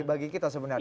bagi kita sebenarnya